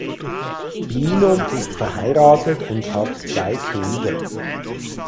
Bynum ist verheiratet und hat zwei Kinder.